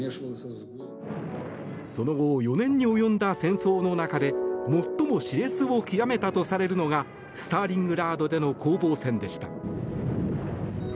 その後、４年に及んだ戦争の中で最も熾烈を極めたとされるのがスターリングラードでの攻防戦でした。